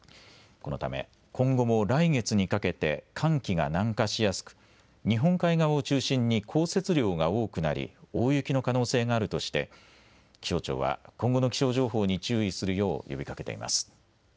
このため今後も来月にかけて寒気が南下しやすく日本海側を中心に降雪量が多くなり大雪の可能性があるとして気象庁は今後の気象情報に注意するよう呼びかけています。